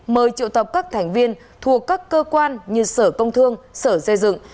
mời triệu tập các thành viên thuộc các cơ quan như sở công thương sở xây dựng